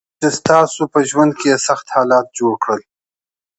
هغه څوک چې تاسو په ژوند کې یې سخت حالات جوړ کړل.